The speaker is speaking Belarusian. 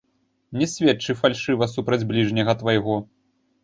Не сведчы фальшыва супраць бліжняга твайго.